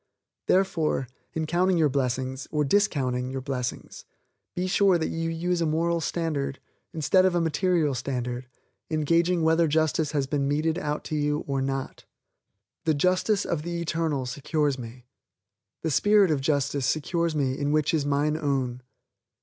Therefore, in counting your blessings, or discounting your blessings, be sure that you use a moral standard, instead of a material standard, in gauging whether justice has been meted out to you or not. The Justice of the Eternal secures me, the Spirit of Justice secures me in which is mine own.